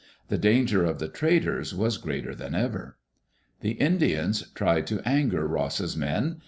The danger of the traders was greater than ever. The Indians tried to anger Ross's men.